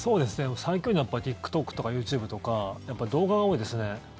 最近多いのはＴｉｋＴｏｋとかＹｏｕＴｕｂｅとか動画が多いですね。